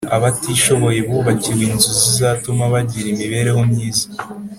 abatishoboye bubakiwe inzu zizatuma bagira imiberereho myiza